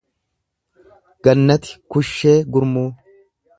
Gannati Kushee Gurmuu